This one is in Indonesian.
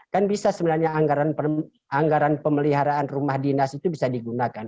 kan bisa sebenarnya anggaran pemeliharaan rumah dinas itu bisa digunakan